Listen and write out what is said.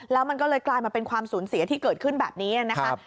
แล้วมันก็เลยกลายมาเป็นความสูญเสียที่เกิดขึ้นแบบนี้นะคะ